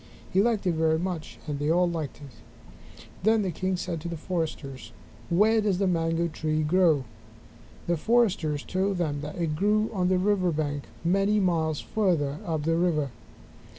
He liked it very much, and they all liked it. Then the king said to the foresters, "Where does the mango tree grow?" The foresters told him that it grew on the river bank many miles farther up the river.